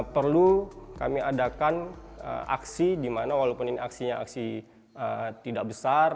perlu kami adakan aksi dimana walaupun ini aksinya tidak besar